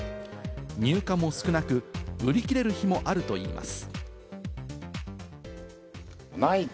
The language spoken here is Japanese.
入荷も少なく、売り切れる日もあるといいます。